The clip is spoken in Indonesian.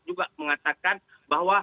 juga mengatakan bahwa